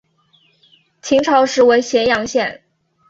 秦朝时为咸阳县。